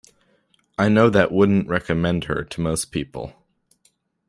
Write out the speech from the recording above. I know that wouldn't recommend her to most people.